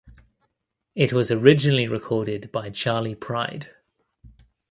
It was originally recorded by Charley Pride.